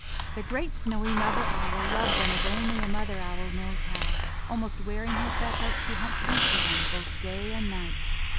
The great snowy mother owl loved them as only a mother owl knows how, almost wearing herself out to hunt food for them, both day and night.